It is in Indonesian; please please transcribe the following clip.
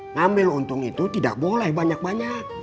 ngambil untung itu tidak boleh banyak banyak